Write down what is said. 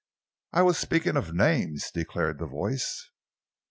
"I was speaking of names," declared the voice.